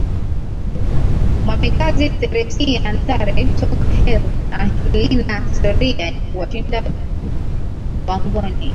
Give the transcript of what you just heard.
mwamikazi theresia ntare toka heru na lina historia ya kuwashinda wangoni